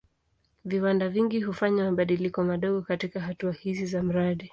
Viwanda vingi hufanya mabadiliko madogo katika hatua hizi za mradi.